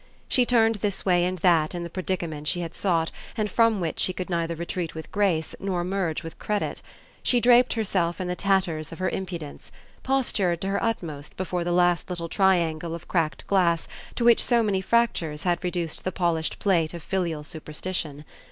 She turned this way and that in the predicament she had sought and from which she could neither retreat with grace nor emerge with credit: she draped herself in the tatters of her impudence, postured to her utmost before the last little triangle of cracked glass to which so many fractures had reduced the polished plate of filial superstition.